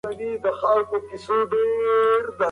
سړی مې تر څنګ ناست و او په ټیټ غږ یې خبرې کولې.